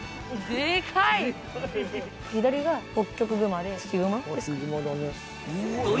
左がホッキョクグマでヒグマですか？